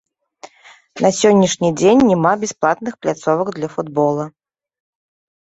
На сённяшні дзень няма бясплатных пляцовак для футбола.